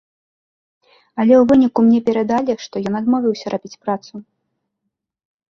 Але ў выніку мне перадалі, што ён адмовіўся рабіць працу.